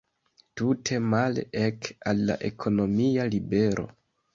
Tute male, ek al la ekonomia libero.